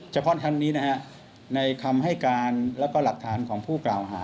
เฉพาะทางนี้นะค่ะในคำให้การและก็หลักฐานของผู้กล่าวหา